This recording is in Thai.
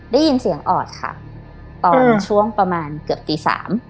ได้ยินเสียงออดค่ะตอนช่วงประมาณเกือบตีสาม